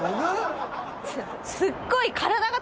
すっごい。